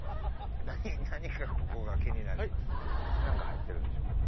何か入ってるんでしょ？